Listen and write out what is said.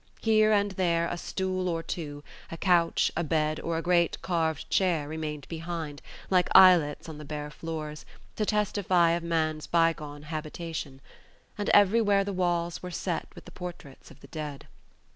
Here and there a stool or two, a couch, a bed, or a great carved chair remained behind, like islets on the bare floors, to testify of man's bygone habitation; and everywhere the walls were set with the portraits of the dead.